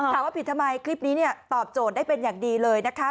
ถามว่าผิดทำไมคลิปนี้ตอบโจทย์ได้เป็นอย่างดีเลยนะคะ